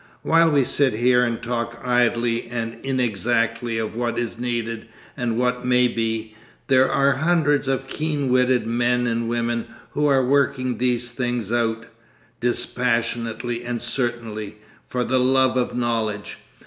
'While we sit here and talk idly and inexactly of what is needed and what may be, there are hundreds of keen witted men and women who are working these things out, dispassionately and certainly, for the love of knowledge.